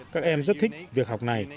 các em rất thích việc học này